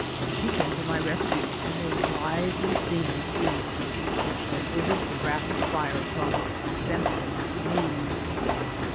She came to my rescue and a lively scene ensued, which diverted the rapid fire from defenseless me.